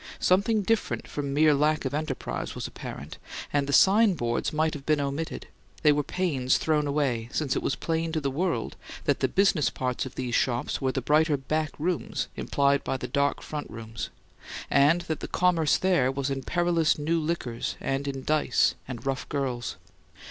Something different from mere lack of enterprise was apparent; and the signboards might have been omitted; they were pains thrown away, since it was plain to the world that the business parts of these shops were the brighter back rooms implied by the dark front rooms; and that the commerce there was in perilous new liquors and in dice and rough girls.